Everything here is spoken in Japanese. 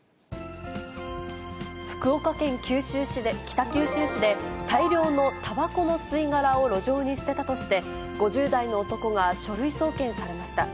福岡県北九州市で、大量のたばこの吸い殻を路上に捨てたとして、５０代の男が書類送検されました。